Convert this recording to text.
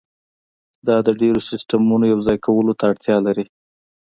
دا د ډیرو سیستمونو یوځای کولو ته اړتیا لري